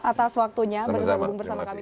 atas waktunya bersama sama